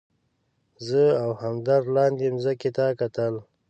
زه او همدرد لاندې مځکې ته کتل.